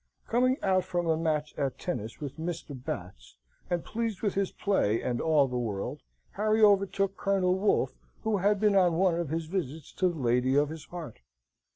Coming out from a match at tennis with Mr. Batts, and pleased with his play and all the world, Harry overtook Colonel Wolfe, who had been on one of his visits to the lady of his heart.